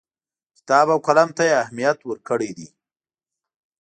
کتاب او قلم ته یې اهمیت ورکړی دی.